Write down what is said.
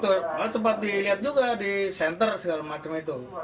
di atas genteng itu malah sempat dilihat juga di senter segala macam itu